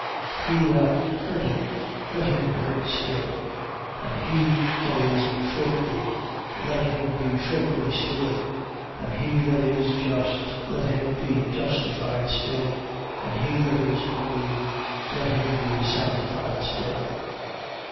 He that hurteth, let him hurt still: and he that is filthy, let him be filthy still: and he that is just, let him be justified still: and he that is holy, let him be sanctified still.